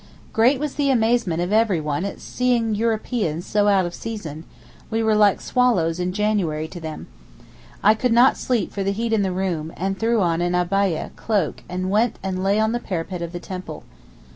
Great was the amazement of everyone at seeing Europeans so out of season; we were like swallows in January to them. I could not sleep for the heat in the room, and threw on an abbayeh (cloak) and went and lay on the parapet of the temple.